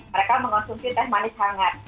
mereka mengonsumsi teh manis hangat